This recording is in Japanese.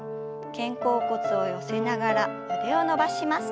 肩甲骨を寄せながら腕を伸ばします。